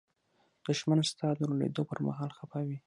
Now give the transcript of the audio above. دښمن ستا د لوړېدو پر مهال خپه وي